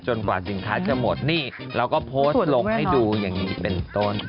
กว่าสินค้าจะหมดนี่เราก็โพสต์ลงให้ดูอย่างนี้เป็นต้น